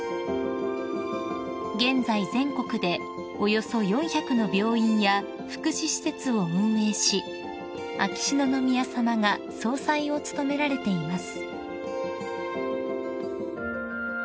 ［現在全国でおよそ４００の病院や福祉施設を運営し秋篠宮さまが総裁を務められています］